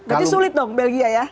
berarti sulit dong belgia ya